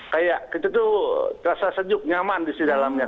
kayak kita tuh terasa sejuk nyaman di dalamnya